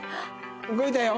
動いたよ！